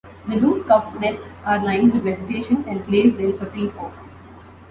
The loose cup nests are lined with vegetation and placed in a tree fork.